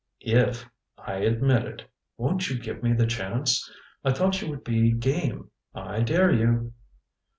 "If I admit it. Won't you give me the chance? I thought you would be game. I dare you!"